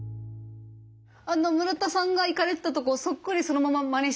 村田さんが行かれてたとこそっくりそのまままねしたいですね。